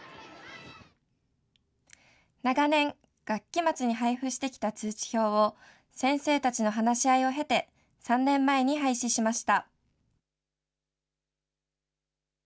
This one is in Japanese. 長年、学期末に配布してきた通知表を先生たちの話し合いを経て、３年前に廃止しました。